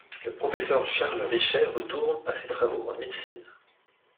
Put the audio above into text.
Le professeur Charles Richet retourne à ses travaux en médecine.